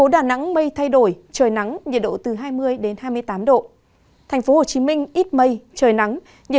xin chào các bạn